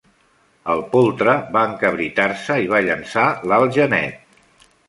El poltre va encabritar-se i va llançar l'alt genet.